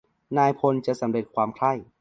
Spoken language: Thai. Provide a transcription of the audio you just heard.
นายพลจะสำเร็จความใคร่.